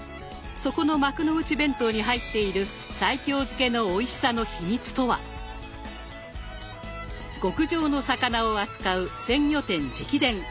そこの幕の内弁当に入っている西京漬けのおいしさの秘密とは⁉極上の魚を扱う鮮魚店直伝！